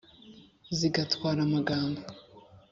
zigatwara amagambo;